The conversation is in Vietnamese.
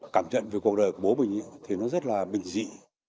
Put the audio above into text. cảm nhận về cuộc đời của bố mình thì nó rất là bình dị